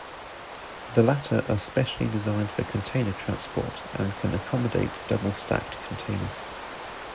The latter are specially designed for container transport, and can accommodate double-stacked containers.